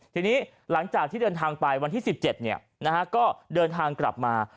ทีนี้หลังจากที่เดินทางไปวันที่๑๗ก็เดินทางกลับมา